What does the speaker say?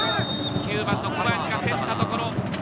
９番の小林が競ったところ。